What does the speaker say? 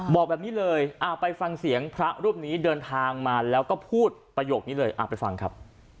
บอกแบบนี้เลยไปฟังเสียงพระรูปนี้เดินทางมาแล้วก็พูดประโยคนี้เลยไปฟังครับ